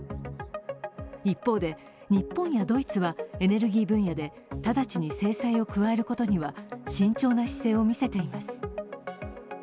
一方で日本やドイツはエネルギー分野で直ちに制裁を加えることには慎重な姿勢を見せています。